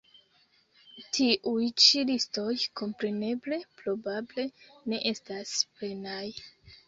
Tiuj ĉi listoj kompreneble probable ne estas plenaj.